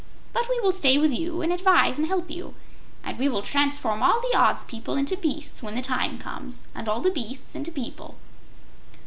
But we will stay with you and advise and help you, and we will transform all the Oz people into beasts, when the time comes, and all the beasts into people."